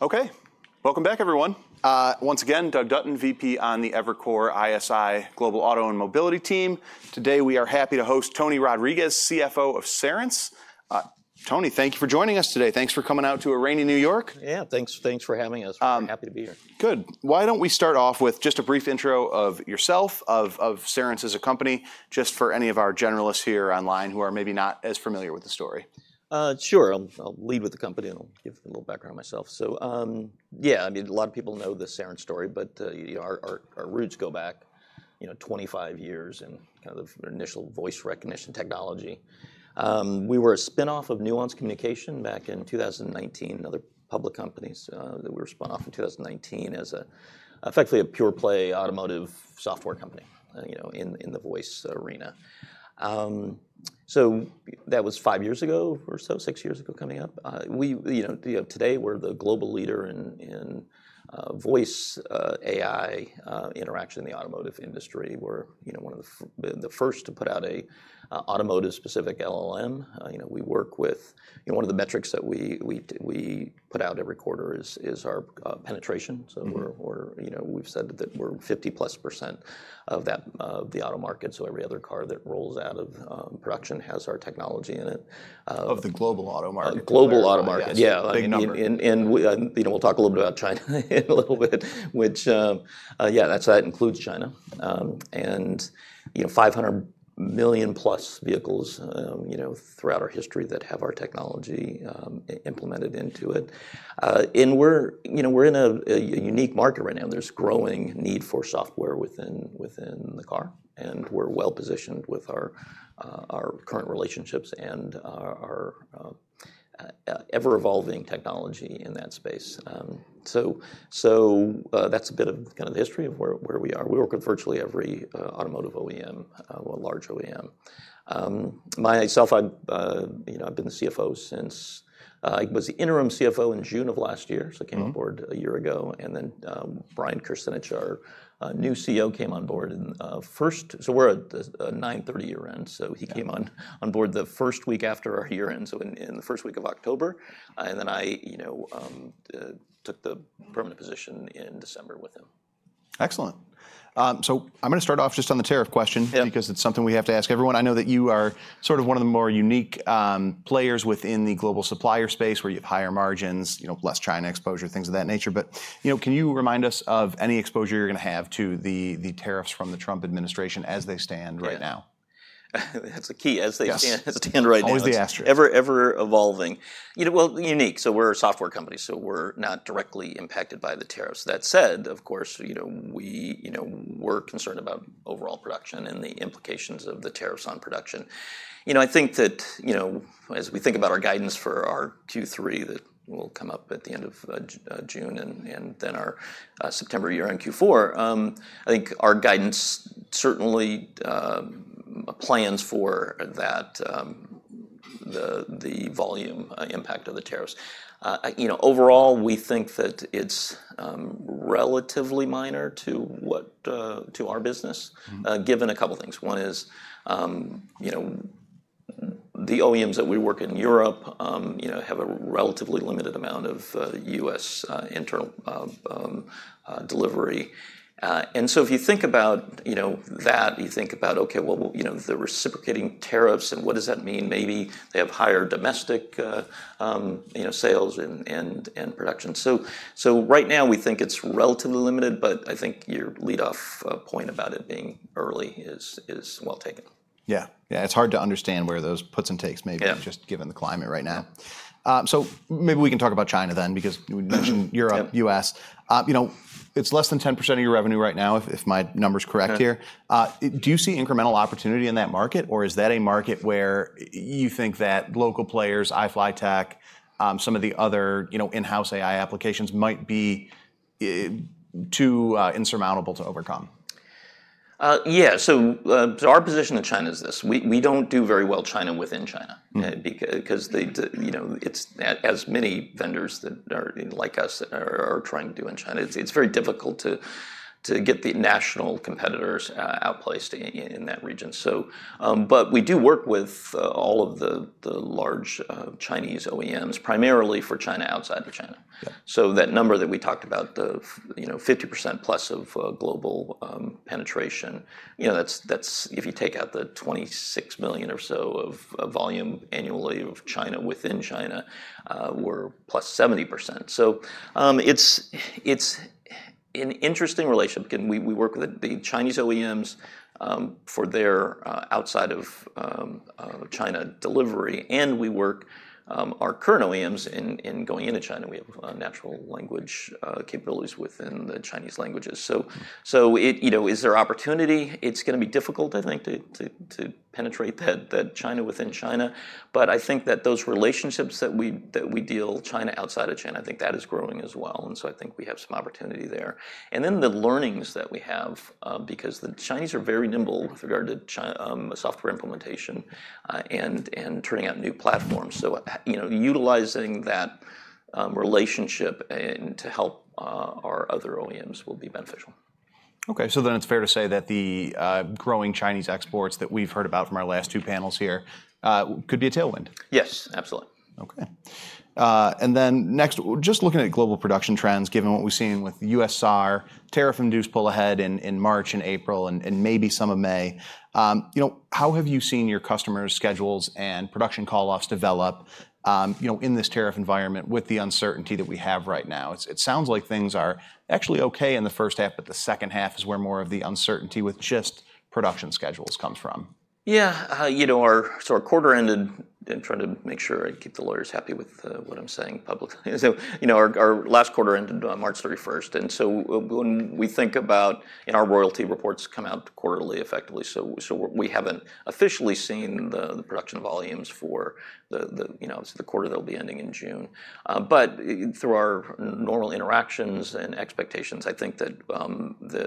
Okay, welcome back, everyone. Once again, Doug Dutton, VP on the Evercore ISI Global Auto and Mobility team. Today we are happy to host Tony Rodriguez, CFO of Cerence. Tony, thank you for joining us today. Thanks for coming out to a rainy New York. Yeah, thanks for having us. Happy to be here. Good. Why don't we start off with just a brief intro of yourself, of Cerence as a company, just for any of our generalists here online who are maybe not as familiar with the story. Sure. I'll lead with the company and I'll give a little background on myself. Yeah, I mean, a lot of people know the Cerence story, but our roots go back 25 years in kind of initial voice recognition technology. We were a spinoff of Nuance Communications back in 2019, another public company that we were spun off in 2019 as effectively a pure-play automotive software company in the voice arena. That was five years ago or so, six years ago coming up. Today we're the global leader in voice AI interaction in the automotive industry. We're one of the first to put out an automotive-specific LLM. We work with one of the metrics that we put out every quarter is our penetration. We've said that we're 50+% of the auto market. Every other car that rolls out of production has our technology in it. Of the global auto market. Of global auto market, yeah. We'll talk a little bit about China in a little bit, which, yeah, that includes China. And 500 million-plus vehicles throughout our history that have our technology implemented into it. We're in a unique market right now. There's growing need for software within the car. We're well-positioned with our current relationships and our ever-evolving technology in that space. That's a bit of kind of the history of where we are. We work with virtually every automotive OEM, a large OEM. Myself, I've been the CFO since I was the interim CFO in June of last year. I came on board a year ago. Brian Krzanich, our new CEO, came on board first. We're at a nine-thirty year end. He came on board the first week after our year end, so in the first week of October. I took the permanent position in December with him. Excellent. I'm going to start off just on the tariff question because it's something we have to ask everyone. I know that you are sort of one of the more unique players within the global supplier space where you have higher margins, less China exposure, things of that nature. Can you remind us of any exposure you're going to have to the tariffs from the Trump administration as they stand right now? That's the key. As they stand right now. Always the asterisk. Ever-evolving. Unique. We are a software company, so we are not directly impacted by the tariffs. That said, of course, we were concerned about overall production and the implications of the tariffs on production. I think that as we think about our guidance for our Q3 that will come up at the end of June and then our September year-end Q4, I think our guidance certainly plans for that, the volume impact of the tariffs. Overall, we think that it is relatively minor to our business, given a couple of things. One is the OEMs that we work in Europe have a relatively limited amount of US internal delivery. If you think about that, you think about, okay, the reciprocating tariffs and what does that mean? Maybe they have higher domestic sales and production. Right now we think it's relatively limited, but I think your lead-off point about it being early is well taken. Yeah. Yeah, it's hard to understand where those puts and takes may be just given the climate right now. Maybe we can talk about China then because you mentioned Europe, U.S. It's less than 10% of your revenue right now, if my number's correct here. Do you see incremental opportunity in that market, or is that a market where you think that local players, iFLYTEK, some of the other in-house AI applications might be too insurmountable to overcome? Yeah. Our position in China is this. We do not do very well in China within China because there are many vendors that are like us that are trying to do business in China. It is very difficult to get the national competitors outplaced in that region. We do work with all of the large Chinese OEMs, primarily for China outside of China. That number that we talked about, the 50%+ of global penetration, that is if you take out the 26 million or so of volume annually of China within China, we are plus 70%. It is an interesting relationship. We work with the Chinese OEMs for their outside of China delivery, and we work our current OEMs in going into China. We have natural language capabilities within the Chinese languages. Is there opportunity? It is going to be difficult, I think, to penetrate that China within China. I think that those relationships that we deal China outside of China, I think that is growing as well. I think we have some opportunity there. The learnings that we have because the Chinese are very nimble with regard to software implementation and turning out new platforms. Utilizing that relationship to help our other OEMs will be beneficial. Okay. So then it's fair to say that the growing Chinese exports that we've heard about from our last two panels here could be a tailwind. Yes, absolutely. Okay. Next, just looking at global production trends, given what we've seen with US tariff-induced pull ahead in March and April and maybe some of May, how have you seen your customers' schedules and production call-offs develop in this tariff environment with the uncertainty that we have right now? It sounds like things are actually okay in the first half, but the second half is where more of the uncertainty with just production schedules comes from. Yeah. Our quarter ended, I'm trying to make sure I keep the lawyers happy with what I'm saying publicly. Our last quarter ended March 31. When we think about our royalty reports, they come out quarterly effectively. We haven't officially seen the production volumes for the quarter that will be ending in June. Through our normal interactions and expectations, I think that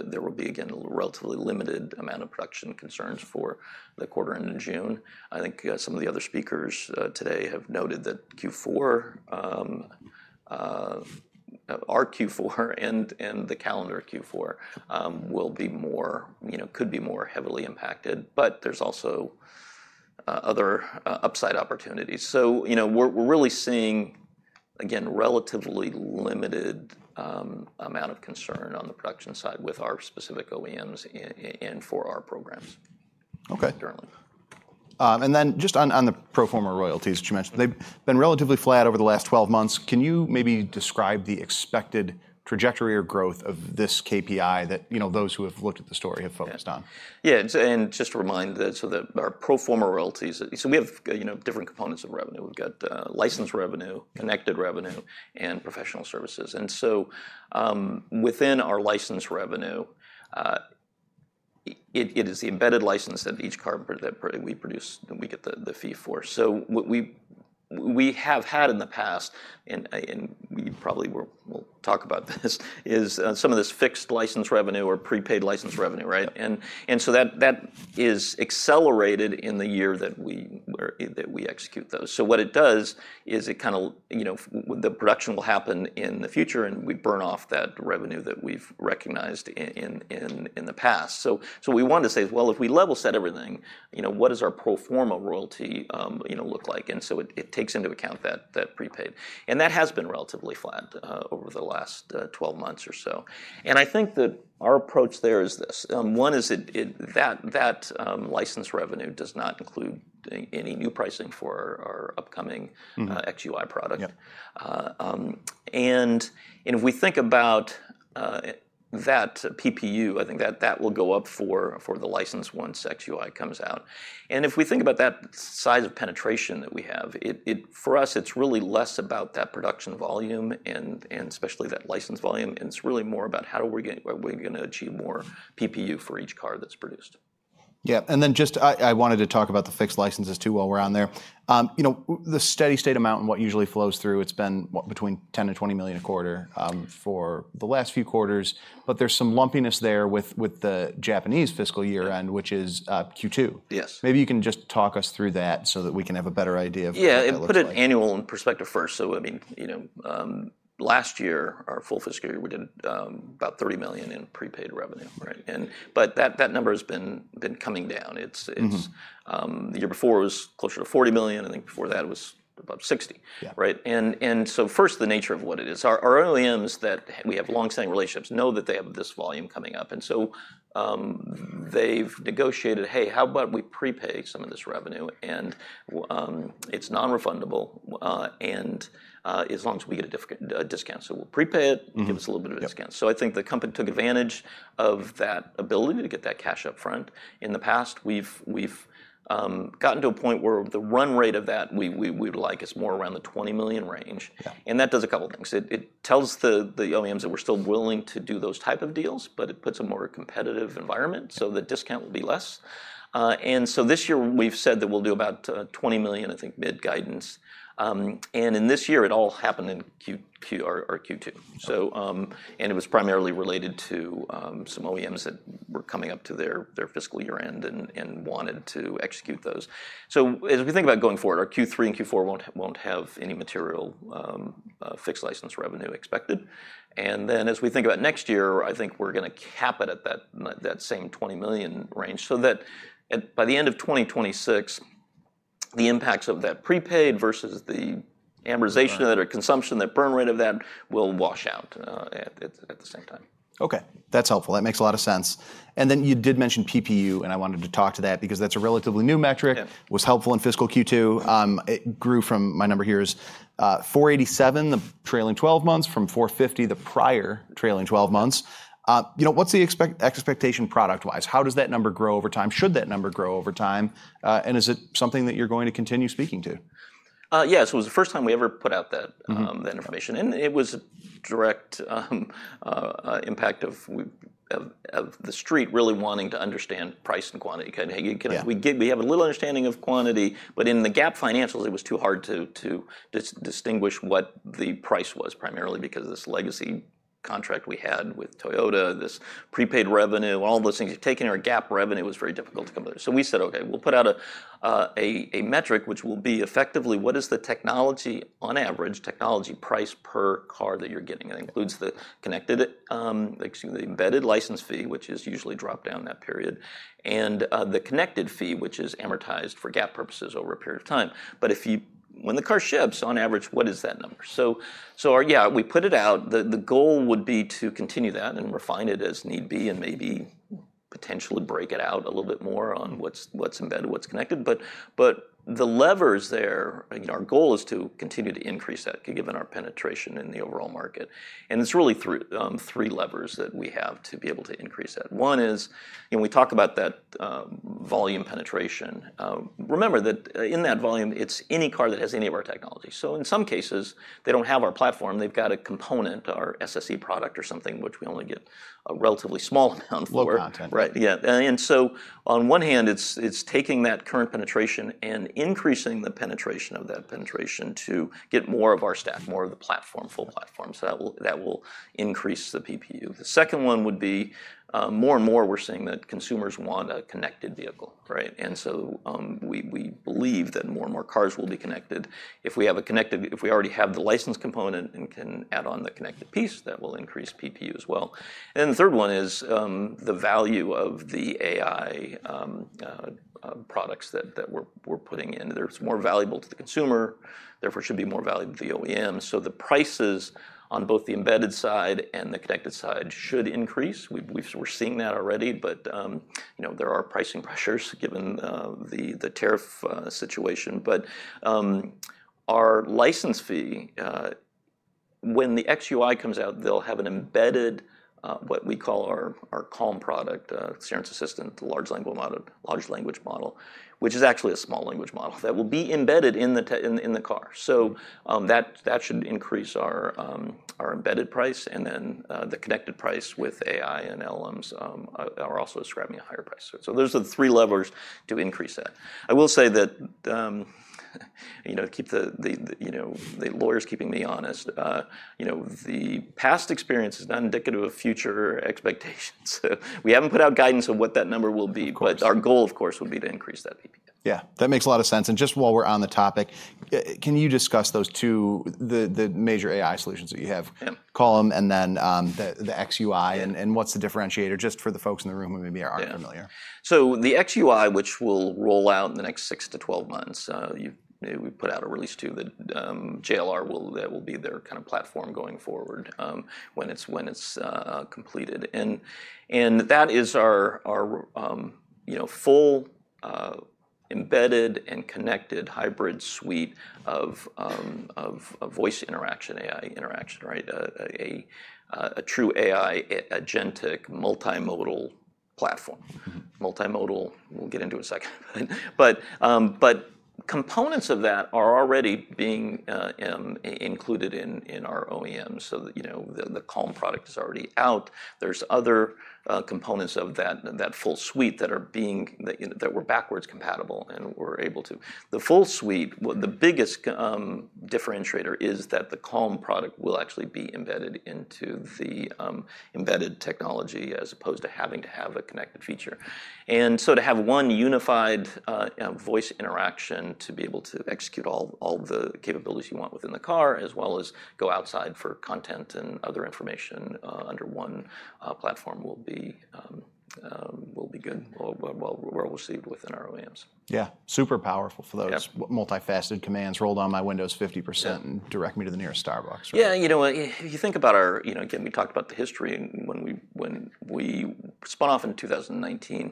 there will be, again, a relatively limited amount of production concerns for the quarter end of June. I think some of the other speakers today have noted that our Q4 and the calendar Q4 could be more heavily impacted, but there are also other upside opportunities. We're really seeing, again, a relatively limited amount of concern on the production side with our specific OEMs and for our programs currently. Okay. On the pro forma royalties, which you mentioned, they've been relatively flat over the last 12 months. Can you maybe describe the expected trajectory or growth of this KPI that those who have looked at the story have focused on? Yeah. And just to remind that our pro forma royalties, so we have different components of revenue. We have license revenue, connected revenue, and professional services. Within our license revenue, it is the embedded license that each car that we produce that we get the fee for. What we have had in the past, and we probably will talk about this, is some of this fixed license revenue or prepaid license revenue, right? That is accelerated in the year that we execute those. What it does is it kind of the production will happen in the future, and we burn off that revenue that we have recognized in the past. What we wanted to say is, if we level set everything, what does our pro forma royalty look like? It takes into account that prepaid. That has been relatively flat over the last 12 months or so. I think that our approach there is this. One is that that license revenue does not include any new pricing for our upcoming XUI product. If we think about that PPU, I think that that will go up for the license once XUI comes out. If we think about that size of penetration that we have, for us, it's really less about that production volume and especially that license volume. It's really more about how are we going to achieve more PPU for each car that's produced. Yeah. And then just I wanted to talk about the fixed licenses too while we're on there. The steady state amount and what usually flows through, it's been between 10 million and 20 million a quarter for the last few quarters. But there's some lumpiness there with the Japanese fiscal year-end, which is Q2. Yes. Maybe you can just talk us through that so that we can have a better idea. Yeah. Put it annual in perspective first. I mean, last year, our full fiscal year, we did about 30 million in prepaid revenue, right? That number has been coming down. The year before was closer to 40 million. I think before that it was about 60, right? First, the nature of what it is. Our OEMs that we have long-standing relationships with know that they have this volume coming up. They have negotiated, hey, how about we prepay some of this revenue? It is non-refundable as long as we get a discount. We will prepay it, give us a little bit of discount. I think the company took advantage of that ability to get that cash upfront. In the past, we have gotten to a point where the run rate of that we would like is more round the 20 million range. That does a couple of things. It tells the OEMs that we're still willing to do those type of deals, but it puts a more competitive environment so the discount will be less. This year we've said that we'll do about 20 million, I think mid-guidance. In this year, it all happened in Q2. It was primarily related to some OEMs that were coming up to their fiscal year-end and wanted to execute those. As we think about going forward, our Q3 and Q4 won't have any material fixed license revenue expected. As we think about next year, I think we're going to cap it at that same 20 million range so that by the end of 2026, the impacts of that prepaid versus the amortization of that or consumption, that burn rate of that will wash out at the same time. Okay. That's helpful. That makes a lot of sense. You did mention PPU, and I wanted to talk to that because that's a relatively new metric. It was helpful in fiscal Q2. It grew from, my number here is 487 the trailing 12 months, from 450 the prior trailing 12 months. What's the expectation product-wise? How does that number grow over time? Should that number grow over time? Is it something that you're going to continue speaking to? Yeah. It was the first time we ever put out that information. It was a direct impact of the street really wanting to understand price and quantity. We have a little understanding of quantity, but in the GAAP financials, it was too hard to distinguish what the price was primarily because of this legacy contract we had with Toyota, this prepaid revenue, all those things. Taking our GAAP revenue was very difficult to come to. We said, okay, we'll put out a metric, which will be effectively what is the technology on average, technology price per car that you're getting. It includes the connected, the embedded license fee, which is usually dropped down that period, and the connected fee, which is amortized for GAAP purposes over a period of time. When the car ships, on average, what is that number? Yeah, we put it out. The goal would be to continue that and refine it as need be and maybe potentially break it out a little bit more on what's embedded, what's connected. The levers there, our goal is to continue to increase that given our penetration in the overall market. It's really three levers that we have to be able to increase that. One is when we talk about that volume penetration, remember that in that volume, it's any car that has any of our technology. In some cases, they don't have our platform. They've got a component, our SSE product or something, which we only get a relatively small amount for. Low content. Right. Yeah. On one hand, it's taking that current penetration and increasing the penetration of that penetration to get more of our stuff, more of the platform, full platform. That will increase the PPU. The second one would be more and more we're seeing that consumers want a connected vehicle, right? We believe that more and more cars will be connected. If we have a connected, if we already have the license component and can add on the connected piece, that will increase PPU as well. The third one is the value of the AI products that we're putting in. They're more valuable to the consumer. Therefore, it should be more valuable to the OEM. The prices on both the embedded side and the connected side should increase. We're seeing that already, but there are pricing pressures given the tariff situation. Our license fee, when the XUI comes out, they'll have an embedded, what we call our calm product, Cerence Assistant, the large language model, which is actually a small language model that will be embedded in the car. That should increase our embedded price. The connected price with AI and LLMs are also describing a higher price. Those are the three levers to increase that. I will say that, keep the lawyers keeping me honest, the past experience is not indicative of future expectations. We haven't put out guidance of what that number will be, but our goal, of course, would be to increase that PPU. Yeah. That makes a lot of sense. Just while we're on the topic, can you discuss those two, the major AI solutions that you have? Yeah. Call them and then the XUI and what's the differentiator just for the folks in the room who maybe aren't familiar? The XUI, which will roll out in the next 6-12 months, we put out a release too that JLR will be their kind of platform going forward when it is completed. That is our full embedded and connected hybrid suite of voice interaction, AI interaction, right? A true AI agentic multimodal platform. Multimodal, we will get into in a second. Components of that are already being included in our OEM. The Calm product is already out. There are other components of that full suite that are backwards compatible and we are able to. The full suite, the biggest differentiator is that the Calm product will actually be embedded into the embedded technology as opposed to having to have a connected feature. To have one unified voice interaction to be able to execute all the capabilities you want within the car as well as go outside for content and other information under one platform will be good where we'll see within our OEMs. Yeah. Super powerful for those multifaceted commands. Roll down my windows 50% and direct me to the nearest Starbucks. Yeah. You know what? If you think about our, again, we talked about the history when we spun off in 2019.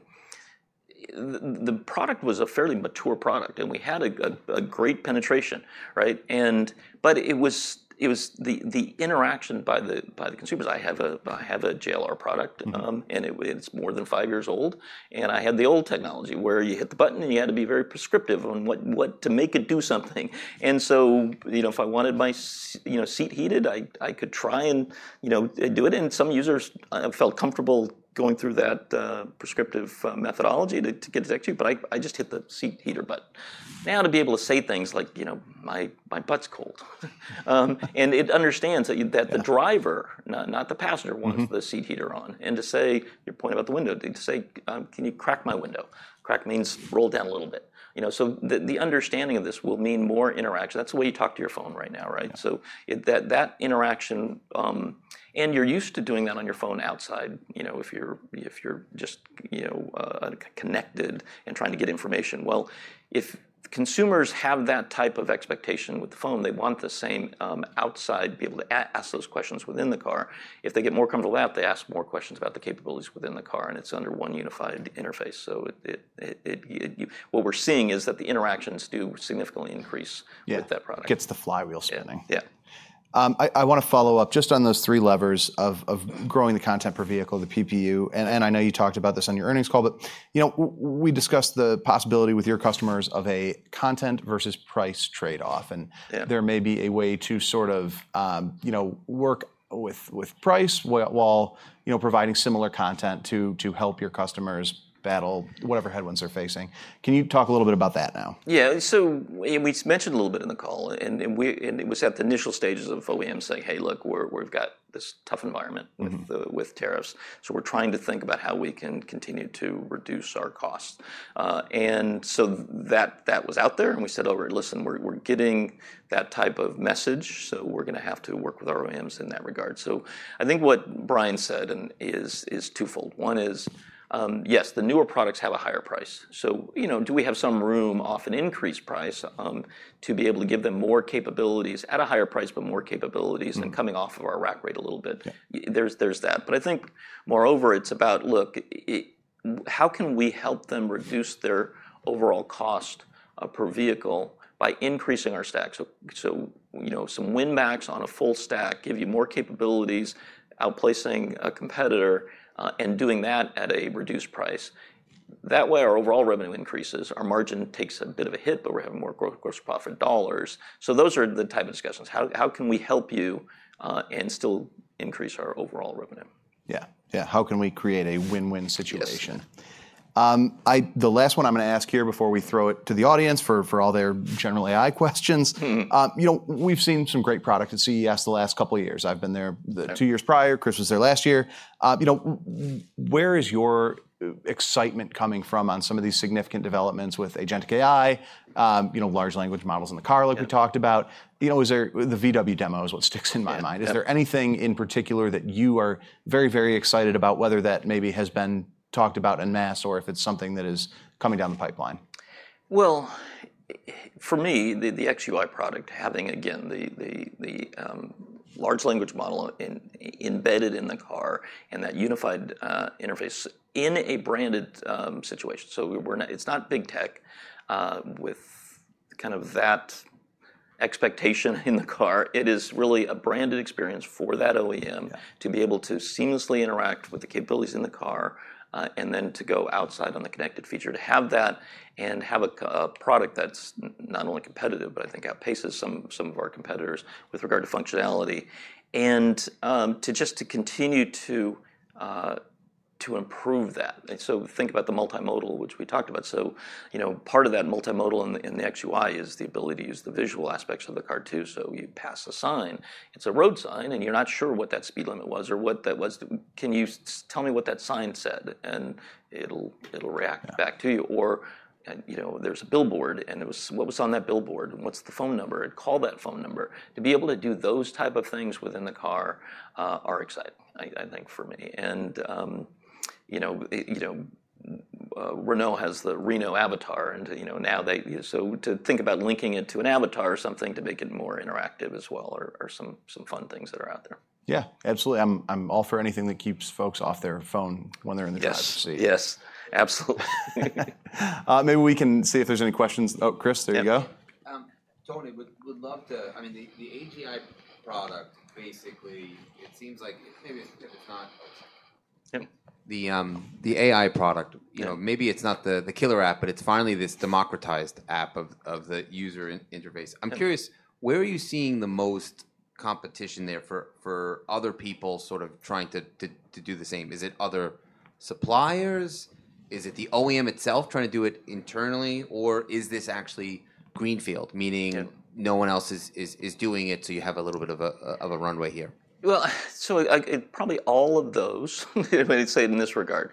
The product was a fairly mature product and we had a great penetration, right? It was the interaction by the consumers. I have a JLR product and it's more than five years old. I had the old technology where you hit the button and you had to be very prescriptive on what to make it do something. If I wanted my seat heated, I could try and do it. Some users felt comfortable going through that prescriptive methodology to get it executed, but I just hit the seat heater button. Now to be able to say things like, "My butt's cold." And it understands that the driver, not the passenger, wants the seat heater on. To say your point about the window, to say, "Can you crack my window?" Crack means roll down a little bit. The understanding of this will mean more interaction. That is the way you talk to your phone right now, right? That interaction, and you are used to doing that on your phone outside if you are just connected and trying to get information. If consumers have that type of expectation with the phone, they want the same outside, be able to ask those questions within the car. If they get more comfortable with that, they ask more questions about the capabilities within the car and it is under one unified interface. What we are seeing is that the interactions do significantly increase with that product. Yeah. Gets the flywheel spinning. Yeah. I want to follow up just on those three levers of growing the content per vehicle, the PPU. I know you talked about this on your earnings call, but we discussed the possibility with your customers of a content versus price trade-off. There may be a way to sort of work with price while providing similar content to help your customers battle whatever headwinds they're facing. Can you talk a little bit about that now? Yeah. We mentioned a little bit in the call. It was at the initial stages of OEMs saying, "Hey, look, we've got this tough environment with tariffs. We're trying to think about how we can continue to reduce our cost." That was out there. We said, "All right, listen, we're getting that type of message. We're going to have to work with our OEMs in that regard." I think what Brian said is twofold. One is, yes, the newer products have a higher price. Do we have some room off an increased price to be able to give them more capabilities at a higher price, but more capabilities and coming off of our rack rate a little bit? There's that. I think moreover, it's about, look, how can we help them reduce their overall cost per vehicle by increasing our stack? Some win max on a full stack, give you more capabilities, outplacing a competitor and doing that at a reduced price. That way, our overall revenue increases, our margin takes a bit of a hit, but we're having more gross profit dollars. Those are the type of discussions. How can we help you and still increase our overall revenue? Yeah. Yeah. How can we create a win-win situation? The last one I'm going to ask here before we throw it to the audience for all their general AI questions. We've seen some great product at CES the last couple of years. I've been there two years prior. Chris was there last year. Where is your excitement coming from on some of these significant developments with agentic AI, large language models in the car like we talked about? The VW demo is what sticks in my mind. Is there anything in particular that you are very, very excited about, whether that maybe has been talked about en masse or if it's something that is coming down the pipeline? For me, the XUI product having, again, the large language model embedded in the car and that unified interface in a branded situation. It is not big tech with kind of that expectation in the car. It is really a branded experience for that OEM to be able to seamlessly interact with the capabilities in the car and then to go outside on the connected feature to have that and have a product that is not only competitive, but I think outpaces some of our competitors with regard to functionality and just to continue to improve that. Think about the multimodal, which we talked about. Part of that multimodal in the XUI is the ability to use the visual aspects of the car too. You pass a sign. It is a road sign and you are not sure what that speed limit was or what that was. Can you tell me what that sign said? It'll react back to you. There's a billboard and what was on that billboard and what's the phone number and call that phone number. To be able to do those type of things within the car are exciting, I think, for me. Renault has the Renault Avatar. Now, to think about linking it to an avatar or something to make it more interactive as well are some fun things that are out there. Yeah. Absolutely. I'm all for anything that keeps folks off their phone when they're in the drive to see. Yes. Yes. Absolutely. Maybe we can see if there's any questions. Oh, Chris, there you go. Tony, would love to, I mean, the AGI product basically, it seems like maybe it's not. Yep. The AI product, maybe it's not the killer app, but it's finally this democratized app of the user interface. I'm curious, where are you seeing the most competition there for other people sort of trying to do the same? Is it other suppliers? Is it the OEM itself trying to do it internally? Or is this actually greenfield, meaning no one else is doing it? You have a little bit of a runway here. Probably all of those, I would say in this regard,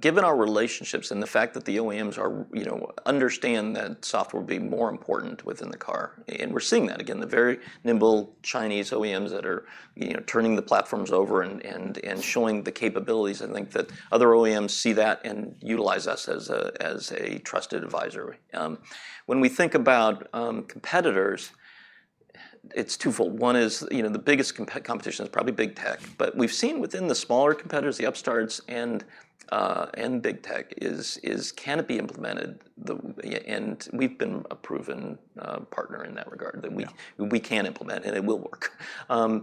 given our relationships and the fact that the OEMs understand that software will be more important within the car. We are seeing that again, the very nimble Chinese OEMs that are turning the platforms over and showing the capabilities. I think that other OEMs see that and utilize us as a trusted advisor. When we think about competitors, it is twofold. One is the biggest competition is probably big tech, but we have seen within the smaller competitors, the upstarts, and big tech is kind of implemented. We have been a proven partner in that regard that we can implement and it will work. I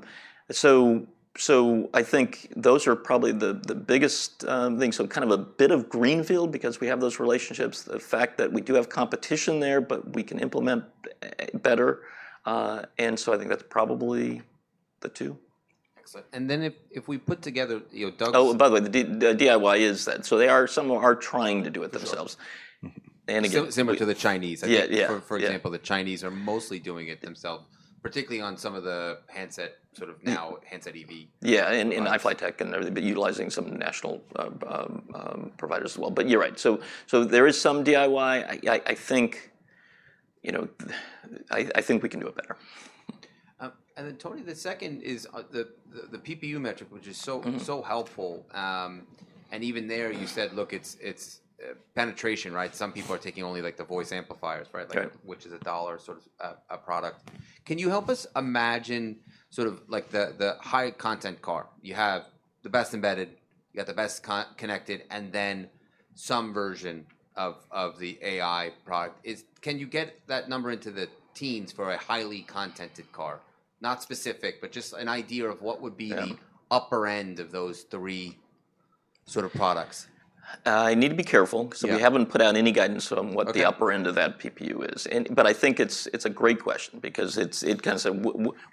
think those are probably the biggest things. Kind of a bit of greenfield because we have those relationships, the fact that we do have competition there, but we can implement better. I think that's probably the two. Excellent. If we put together Douglas. Oh, by the way, the DIY is that. They are, some are trying to do it themselves. Similar to the Chinese. Yeah. Yeah. For example, the Chinese are mostly doing it themselves, particularly on some of the handset, sort of now handset EV. Yeah. And iFlytek and they've been utilizing some national providers as well. You're right. There is some DIY. I think we can do it better. Tony, the second is the PPU metric, which is so helpful. Even there you said, "Look, it's penetration," right? Some people are taking only the voice amplifiers, right? Yeah. Which is a dollar sort of a product. Can you help us imagine sort of the high content car? You have the best embedded, you got the best connected, and then some version of the AI product. Can you get that number into the teens for a highly contented car? Not specific, but just an idea of what would be the upper end of those three sort of products. I need to be careful. We haven't put out any guidance on what the upper end of that PPU is. I think it's a great question because it kind of said,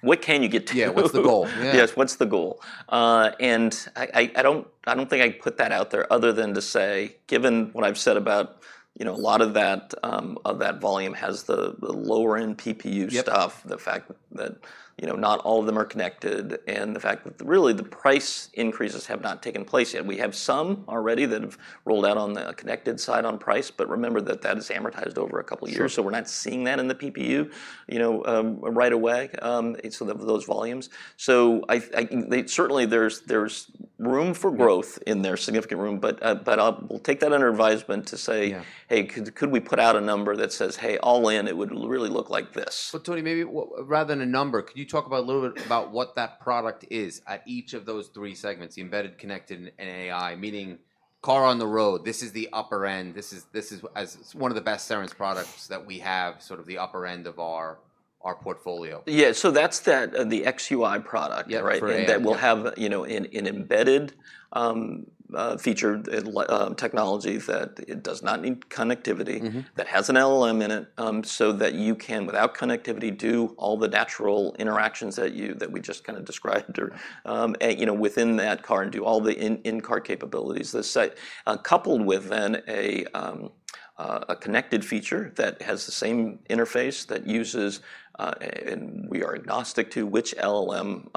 "What can you get to? Yeah. What's the goal? Yes. What's the goal? I do not think I put that out there other than to say, given what I have said about a lot of that volume has the lower-end PPU stuff, the fact that not all of them are connected, and the fact that really the price increases have not taken place yet. We have some already that have rolled out on the connected side on price, but remember that that is amortized over a couple of years. We are not seeing that in the PPU right away, those volumes. Certainly there is room for growth in there, significant room, but we will take that under advisement to say, "Hey, could we put out a number that says, 'Hey, all in, it would really look like this'? Tony, maybe rather than a number, could you talk a little bit about what that product is at each of those three segments, the embedded, connected, and AI, meaning car on the road. This is the upper end. This is one of the best-selling products that we have, sort of the upper end of our portfolio. Yeah. So that's the XUI product, right? Yeah. For you. That will have an embedded feature, technology that does not need connectivity, that has an LLM in it so that you can, without connectivity, do all the natural interactions that we just kind of described within that car and do all the in-car capabilities. Coupled with then a connected feature that has the same interface that uses, and we are agnostic to which LLM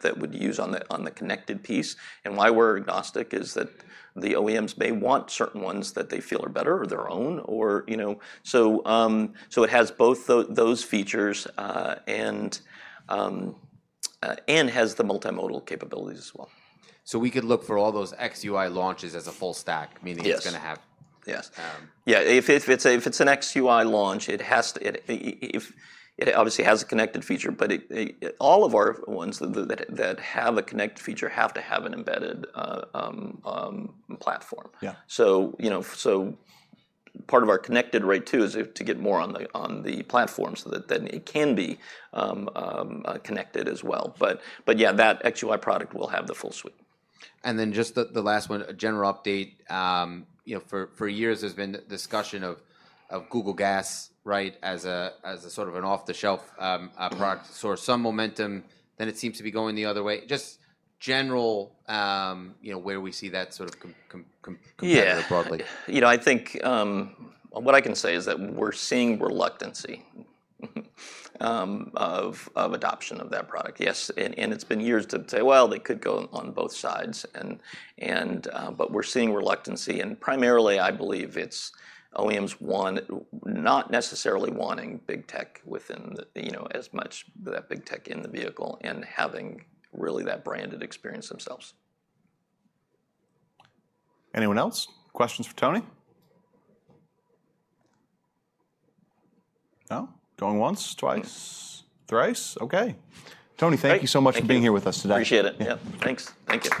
that would use on the connected piece. Why we're agnostic is that the OEMs may want certain ones that they feel are better or their own. It has both those features and has the multimodal capabilities as well. We could look for all those XUI launches as a full stack, meaning it's going to have. Yes. Yeah. If it's an XUI launch, it obviously has a connected feature, but all of our ones that have a connected feature have to have an embedded platform. Part of our connected rate too is to get more on the platform so that then it can be connected as well. Yeah, that XUI product will have the full suite. Just the last one, a general update. For years, there's been discussion of Google Gas, right, as a sort of an off-the-shelf product to source some momentum. Then it seems to be going the other way. Just general, where we see that sort of competitor broadly. Yeah. I think what I can say is that we're seeing reluctancy of adoption of that product. Yes. It's been years to say, "Well, they could go on both sides." We're seeing reluctancy. Primarily, I believe it's OEMs not necessarily wanting big tech within as much that big tech in the vehicle and having really that branded experience themselves. Anyone else? Questions for Tony? No? Going once, twice, thrice? Okay. Tony, thank you so much for being here with us today. Appreciate it. Yeah. Thanks. Thank you.